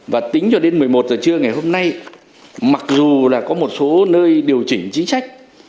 và tính cho đến một mươi một giờ trưa ngày hôm nay mặc dù là có một số nơi điều chỉnh chính sách